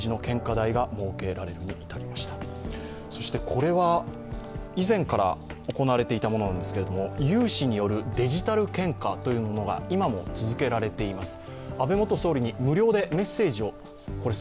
これは以前から行われていたものですけれども、有志によるデジタル献花というものが今も続けられています。